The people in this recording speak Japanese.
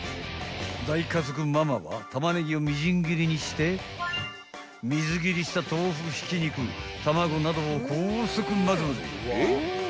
［大家族ママはたまねぎをみじん切りにして水切りした豆腐ひき肉卵などを高速まぜまぜ］